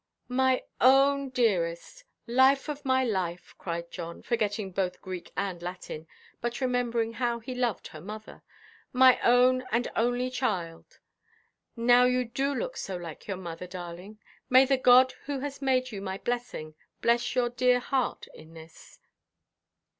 "My own dearest, life of my life," cried John, forgetting both Greek and Latin, but remembering how he loved her mother, "my own and only child—now you do look so like your mother, darling—may the God who has made you my blessing bless your dear heart in this!"